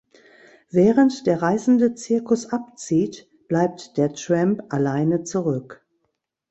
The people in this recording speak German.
Während der reisende Zirkus abzieht, bleibt der Tramp alleine zurück.